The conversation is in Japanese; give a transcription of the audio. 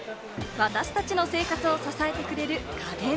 私たちの生活を支えてくれる家電。